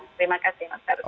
terima kasih mas arief